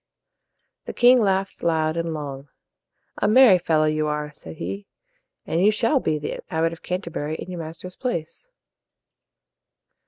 The king laughed loud and long. "A merry fellow you are," said he, "and you shall be the Abbot of Canterbury in your master's place."